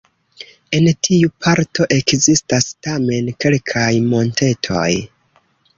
En tiu parto ekzistas tamen kelkaj montetoj.